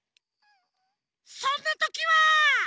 そんなときは！